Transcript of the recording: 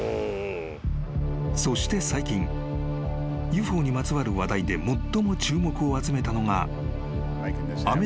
［そして最近ＵＦＯにまつわる話題で最も注目を集めたのが］